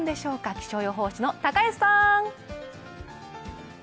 気象予報士の高安さん。